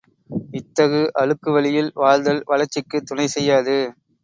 இத்தகு அழுக்கு வழியில் வாழ்தல் வளர்ச்சிக்குத் துணை செய்யாது.